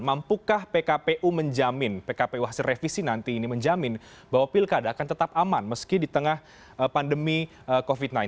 mampukah pkpu menjamin bahwa pilkada akan tetap aman meski di tengah pandemi covid sembilan belas